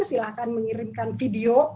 silahkan mengirimkan video